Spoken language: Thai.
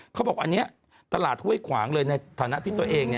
เขาบอกอันนี้ตลาดห้วยขวางเลยในฐานะที่ตัวเอง